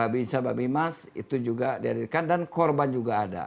bisa mbak bimas itu juga dihadirkan dan korban juga ada